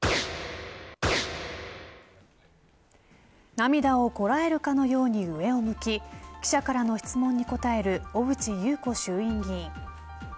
涙をこらえるかのように上を向き記者からの質問に答える小渕優子衆院議員。